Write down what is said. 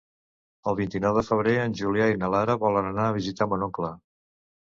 El vint-i-nou de febrer en Julià i na Lara volen anar a visitar mon oncle.